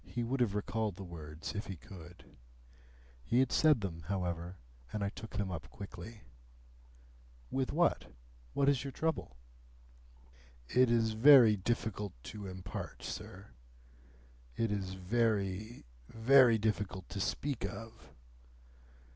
He would have recalled the words if he could. He had said them, however, and I took them up quickly. "With what? What is your trouble?" "It is very difficult to impart, sir. It is very, very difficult to speak of.